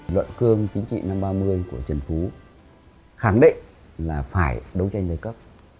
luận cương chính trị năm ba mươi của trần phú khẳng định là phải đấu tranh giai cấp